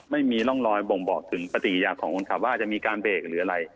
ไม่มีร่องรอยบ่งบอกถึงปฏิกิยาของคนขับว่าจะมีการเบรกหรืออะไร